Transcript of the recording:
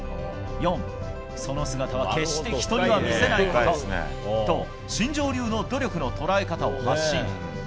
４、その姿は決して人には見せないことと新庄流の努力の捉え方を発信。